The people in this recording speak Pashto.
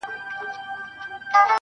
څه د اضدادو مجموعه یې د بلا لوري.